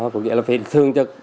cũng vậy là phải thương cho